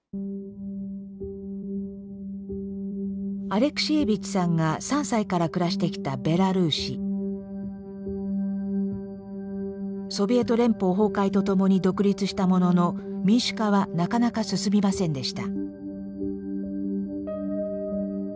アレクシエービッチさんが３歳から暮らしてきたソビエト連邦崩壊とともに独立したものの民主化はなかなか進みませんでした。